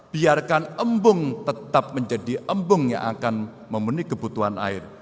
biarkan embung tetap menjadi embung yang akan memenuhi kebutuhan air